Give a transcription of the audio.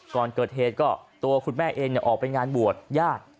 ก่อนเกิดเหตุก็ตัวคุณแม่เองออกไปงานบวชญาติ